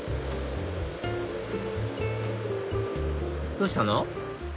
どうしたの？